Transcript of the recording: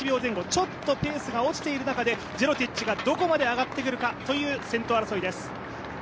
ちょっとペースが落ちている中でジェロティッチがどこまで上がって来るかという先頭争いです。